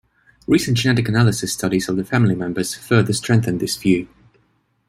Recent genetic analysis studies of the family members further strengthen this view.